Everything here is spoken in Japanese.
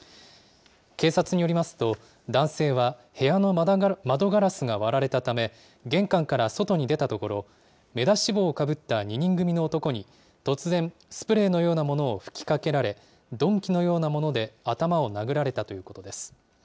警察によりますと、男性は部屋の窓ガラスが割られたため、玄関から外に出たところ、目出し帽をかぶった２人組の男に突然、スプレーのようなものを吹きかけられ、鈍器のようなもので頭を殴られたということです。